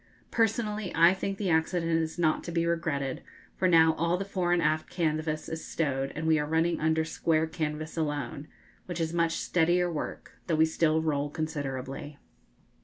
Personally, I think the accident is not to be regretted, for now all the fore and aft canvas is stowed, and we are running under square canvas alone, which is much steadier work, though we still roll considerably.